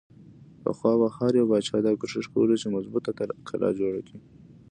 پخوا به هر يو باچا دا کوښښ کولو چې مضبوطه قلا جوړه کړي۔